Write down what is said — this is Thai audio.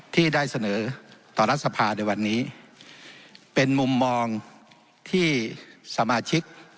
ที่ได้เสนอต่อรัฐสภาในวันนี้เป็นมุมมองที่สมาชิก